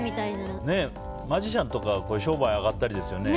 マジシャンとか商売あがったりですね。